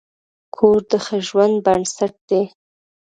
کور د ښه ژوند بنسټ دی.